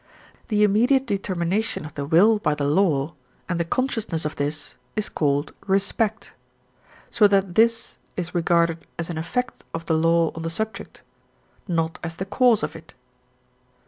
The immediate determination of the will by the law, and the consciousness of this, is called respect, so that this is regarded as an effect of the law on the subject, and not as the cause of it.